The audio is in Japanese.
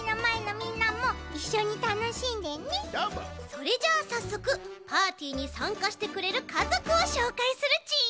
それじゃあさっそくパーティーにさんかしてくれるかぞくをしょうかいするち！